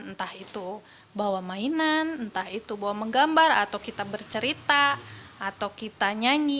entah itu bawa mainan entah itu bawa menggambar atau kita bercerita atau kita nyanyi